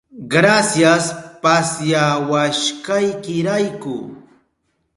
Grasias pasyawashkaykirayku.